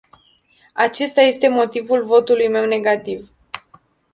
Acesta este motivul votului meu negativ.